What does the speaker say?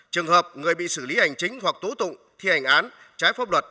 trường hợp người bị xử lý hành chính hoặc tố tụng thi hành án trái pháp luật